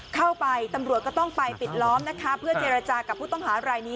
ตำรวจก็ต้องไปปิดล้อมนะคะเพื่อเจรจากับผู้ต้องหารายนี้